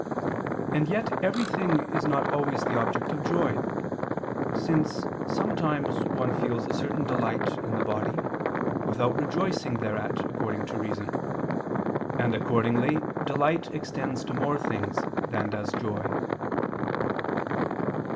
And yet everything is not always the object of joy; since sometimes one feels a certain delight in the body, without rejoicing thereat according to reason. And accordingly delight extends to more things than does joy.